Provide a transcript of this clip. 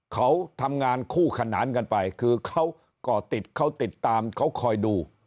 เขาทำงานคู่ขนานกันไปคือเขาก่อติดเขาติดตามเขาคอยดู